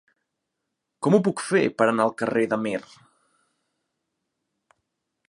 Com ho puc fer per anar al carrer de Meer?